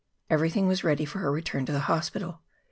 Everything was ready for her return to the hospital.